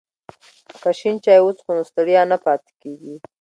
که شین چای وڅښو نو ستړیا نه پاتې کیږي.